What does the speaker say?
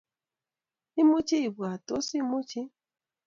Imuchi ibwaat, Tos imuchi?